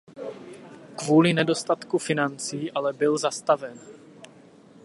Kvůli nedostatku financí ale byl zastaven.